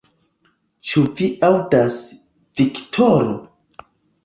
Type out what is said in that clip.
Ĉu vi aŭdas, Viktoro?